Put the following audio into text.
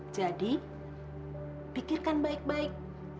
jadi pikirkan baik baik